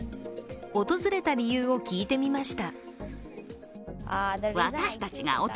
訪れた理由を聞いてみました。